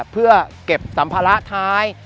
เพื่อเก็บสัมภาระท้าย